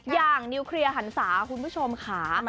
นิวเคลียร์หันศาคุณผู้ชมค่ะ